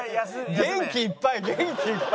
元気いっぱい！